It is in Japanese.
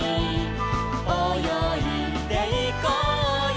「およいでいこうよ」